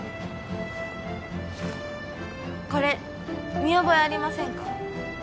これ見覚えありませんか？